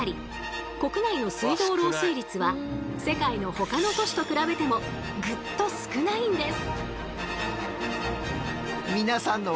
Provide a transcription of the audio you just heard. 国内の水道漏水率は世界のほかの都市と比べてもグッと少ないんです。